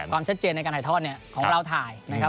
ความชัดเจนในการถ่ายทอดเนี่ยของเราถ่ายนะครับ